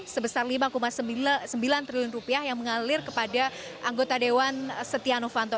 sebesar rp lima sembilan triliun rupiah yang mengalir kepada anggota dewan setia novanto